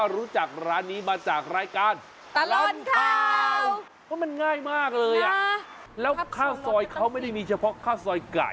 เพราะมันง่ายมากเลยอ่ะแล้วข้าวซอยเขาไม่ได้มีเฉพาะข้าวซอยไก่